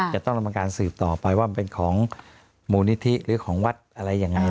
จะต้องดำเนินการสืบต่อไปว่ามันเป็นของมูลนิธิหรือของวัดอะไรยังไง